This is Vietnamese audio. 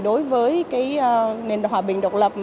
đối với cái nền hòa bình độc lập